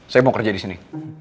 saya mau kerja disini